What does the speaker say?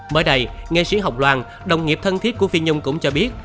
bởi đây nghệ sĩ hồng loan đồng nghiệp thân thiết của phi nhung cũng cho biết